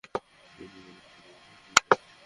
কী মনে করিস নিজেকে?